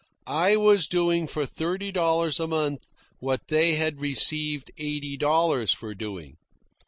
I was doing for thirty dollars a month what they had received eighty dollars for doing.